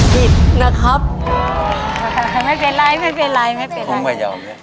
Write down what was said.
ผิดนะครับไม่เป็นไรไม่เป็นไรไม่เป็นไร